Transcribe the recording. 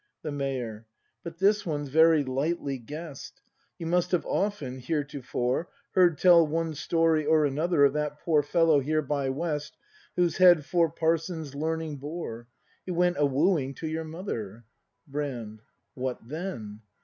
The Mayor. But this one's very lightly guess'd. You must have often, heretofore. Heard tell one story or another Of that poor fellow here by West Whose head four parsons' learning bore; He went a wooing to your Mother. ACT IV] BRAND 185 Brand. What then